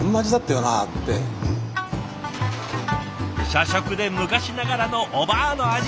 社食で昔ながらのおばあの味。